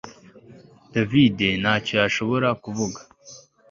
David ntacyo yashoboraga kuvuga